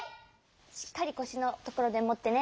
しっかりこしのところでもってね。